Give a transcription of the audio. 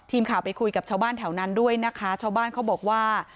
ทีมข่าวไปคุยกับชาวบ้านแถวนั้นด้วยนะคะชาวบ้านเขาบอกว่า